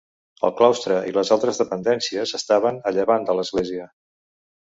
El claustre i les altres dependències estaven a llevant de l'església.